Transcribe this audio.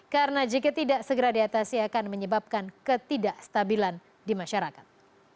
karena jika tidak segera diatasi akan menyebabkan ketidakstabilan di masyarakat